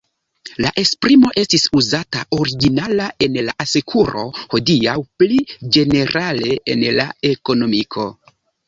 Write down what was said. La esprimo estis uzata originala en la asekuro, hodiaŭ pli ĝenerale en la ekonomiko.